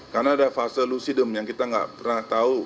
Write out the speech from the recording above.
karena ada fase lucidum yang kita nggak pernah tahu